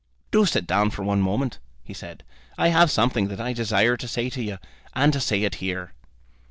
"Do sit down for one moment," he said. "I have something that I desire to say to you, and to say it here."